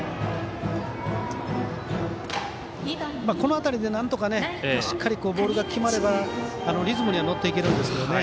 この辺りでなんとかしっかりとボールが決まればリズムには乗っていけるんですけどね。